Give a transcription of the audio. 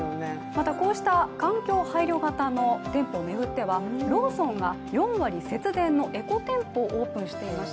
またこうした環境配慮型の店舗を巡ってはローソンが４割節電のエコ店舗をオープンしています。